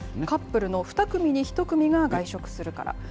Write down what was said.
カップルの２組に１組が外食するから。